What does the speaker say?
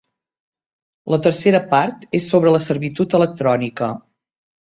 La tercera part és sobre la servitud electrònica.